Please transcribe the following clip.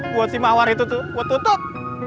buat si mawar itu tuh gue tutup